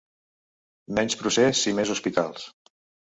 Menys procés i mes hospitals.